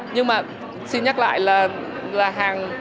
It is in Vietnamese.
nhưng mà xin nhắc lại là hàng